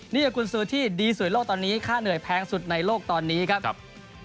นี่กุญสือที่ดีสุดโลกตอนนี้ค่าเหนื่อยแพงสุดในโลกตอนนี้ครับ